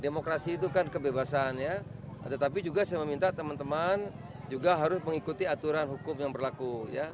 demokrasi itu kan kebebasan ya tetapi juga saya meminta teman teman juga harus mengikuti aturan hukum yang berlaku